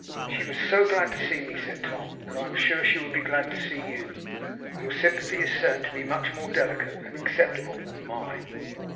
'She was so glad to see me,' said Tom, 'that I am sure she will be glad to see you. Your sympathy is certain to be much more delicate and acceptable than mine.